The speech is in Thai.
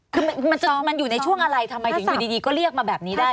คือมันอยู่ในช่วงอะไรทำไมถึงอยู่ดีก็เรียกมาแบบนี้ได้